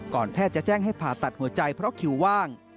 แพทย์จะแจ้งให้ผ่าตัดหัวใจเพราะคิวว่าง